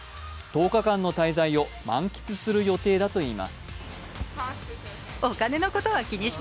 １０日間の滞在を満喫する予定だといいます。